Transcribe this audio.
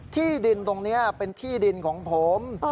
ที่ดินตรงนี้เป็นที่ดินของผม